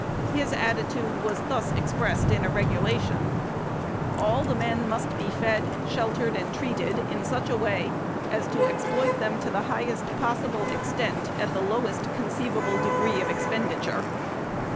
His attitude was thus expressed in a regulation: "All the men must be fed, sheltered and treated in such a way as to exploit them to the highest possible extent at the lowest conceivable degree of expenditure."